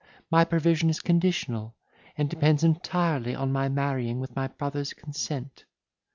my provision is conditional, and depends entirely on my marrying with my brother's consent."